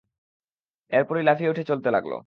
এরপরই লাফিয়ে উঠে চলতে লাগল।